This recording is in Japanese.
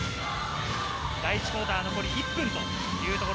第１クオーター、残り１分。